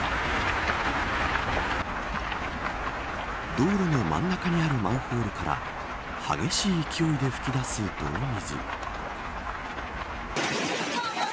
道路の真ん中にあるマンホールから激しい勢いで噴き出す泥水。